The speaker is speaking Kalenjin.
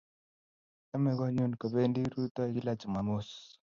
Chamei konyun kopendi rutoi kila Chumamos